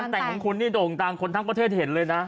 แต่งของคุณนี่โด่งดังคนทั้งประเทศเห็นเลยนะ